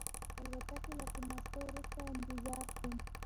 د الوتکې له کېناستو وروسته انتظار شوم.